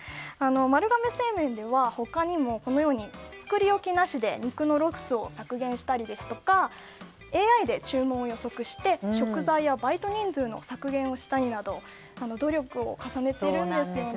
丸亀製麺では、他にも作り置きなしで肉のロスを削減したりですとかＡＩで注文を予測して食材やバイト人数の削減をしたりなど努力を重ねているんです。